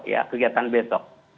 ya kegiatan besok